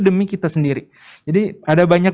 demi kita sendiri jadi ada banyak